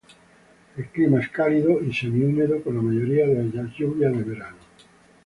El clima es cálido y semi húmedo, con la mayoría de lluvias de verano.